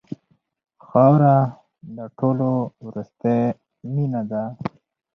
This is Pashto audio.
خاوره د ټولو وروستۍ مینه ده.